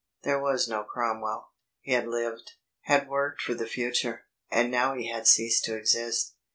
There was no Cromwell; he had lived, had worked for the future and now he had ceased to exist.